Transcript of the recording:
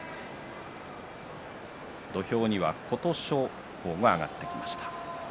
土俵には琴勝峰が上がってきました。